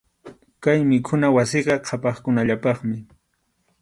Kay mikhuna wasiqa qhapaqkunallapaqmi.